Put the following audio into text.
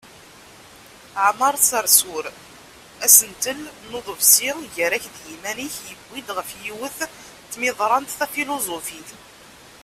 Aɛmaṛ Seṛṣuṛ: Asentel n uḍebsi "Gar-ak d yiman-ik", yewwi-d ɣef yiwet n tmiḍrant tafiluzufit.